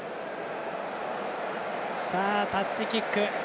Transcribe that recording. タッチキック。